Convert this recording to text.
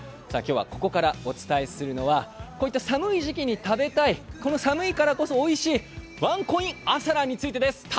今日はここからお伝えするのはこういった寒い時期に食べたいこの寒いからこそおいしいワンコイン朝ラーについてです。